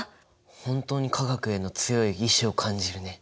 本当に化学への強い意志を感じるね。